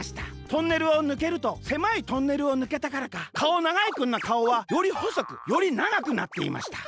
トンネルをぬけるとせまいトンネルをぬけたからかかおながいくんのかおはよりほそくよりながくなっていました。